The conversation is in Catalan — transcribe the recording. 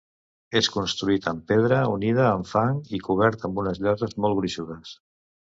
És construït amb pedra, unida amb fang i cobert amb unes lloses molt gruixudes.